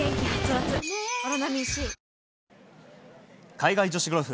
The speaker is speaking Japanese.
海外女子ゴルフ。